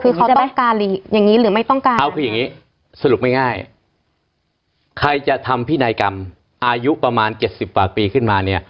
คือเขาจะต้องการอย่างนี้หรือไม่ต้องการเอาคืออย่างนี้สรุปไม่ง่ายใครจะทำพินัยกรรมอายุประมาณเจ็ดสิบกว่าปีขึ้นมาเนี่ย